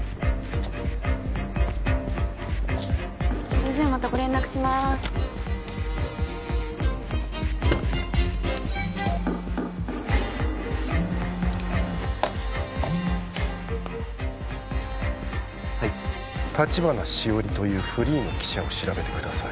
それじゃまたご連絡しまーすはい橘しおりというフリーの記者を調べてください